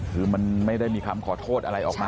คือมันไม่ได้มีคำขอโทษอะไรออกมา